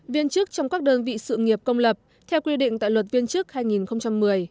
viên chức trong các đơn vị sự nghiệp công lập theo quy định tại luật viên chức hai nghìn một mươi